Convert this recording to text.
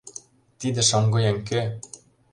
— Тиде шоҥгыеҥ кӧ?